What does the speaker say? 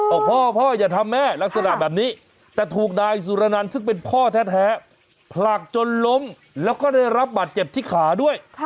บอกพ่อพ่ออย่าทำแม่ลักษณะแบบนี้แต่ถูกนายสุรนันซึ่งเป็นพ่อแท้ผลักจนล้มแล้วก็ได้รับบาดเจ็บที่ขาด้วย